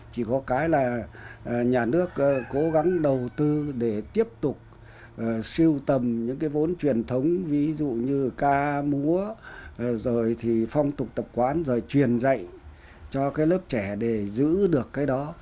chỉ có cái là nhà nước cố gắng đầu tư để tiếp tục siêu tầm những cái vốn truyền thống ví dụ như ca múa rồi thì phong tục tập quán rồi truyền dạy cho cái lớp trẻ để giữ được cái đó